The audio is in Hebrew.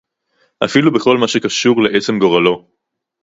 אפילו בכל מה שקשור לעצם גורלו